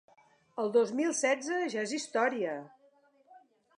El dos mil setze ja és història.